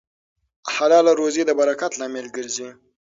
حلاله روزي د برکت لامل ګرځي.